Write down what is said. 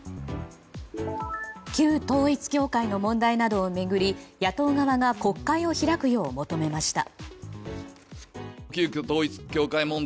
旧統一教会の問題などを巡り、野党側が国会を開くよう求めました。